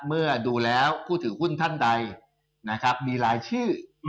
เมื่อดูแล้วผู้ถือหุ้นท่านใดนะครับมีรายชื่อ